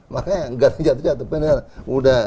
makanya garang jatuh jatuh